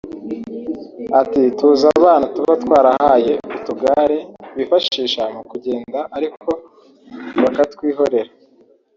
Ati “Tuzi abana tuba twarahaye utugare bifashisha mu kugenda ariko bakatwihorera